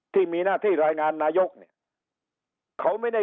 ที่มีหน้าที่รายงานนายกเนี่ยเขาไม่ได้